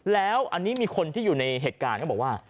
แล้วอันนี้มีคนที่อยู่ในเหตุการณ์เขาบอกว่า